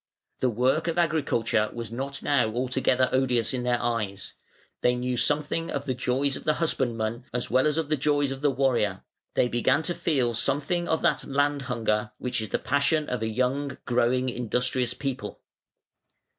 The work of agriculture was now not altogether odious in their eyes; they knew something of the joys of the husbandman as well as of the joys of the warrior; they began to feel something of that "land hunger" which is the passion of a young, growing, industrious people.